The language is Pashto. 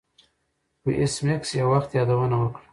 خو ایس میکس یو وخت یادونه وکړه